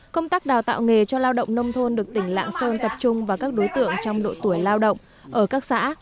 công tác đào tạo nghề cho lao động nông thôn được tỉnh lạng sơn tập trung vào các đối tượng trong độ tuổi lao động ở các xã